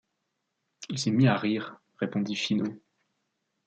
Il s’est mis à rire, répondit Finot.